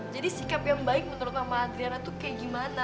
jadi sikap yang baik menurut mama adriana tuh kayak gimana